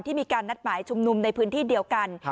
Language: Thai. มีการนัดหมายชุมนุมในพื้นที่เดียวกัน